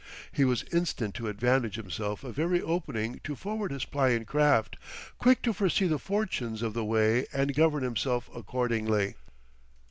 He was instant to advantage himself of every opening to forward his pliant craft, quick to foresee the fortunes of the way and govern himself accordingly.